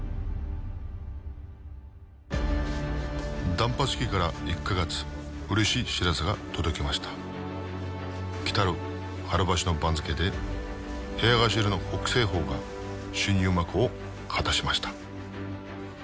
断髪式から１カ月嬉しい知らせが届きましたきたる春場所の番付で部屋頭の北青鵬が新入幕を果たしました